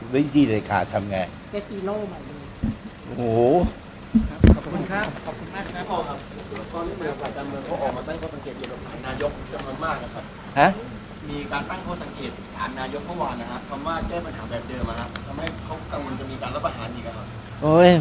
เป็นคนเด็กต่างที่ใช้วิธีเด็กต่าง